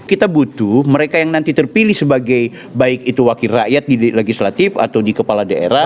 kita butuh mereka yang nanti terpilih sebagai baik itu wakil rakyat di legislatif atau di kepala daerah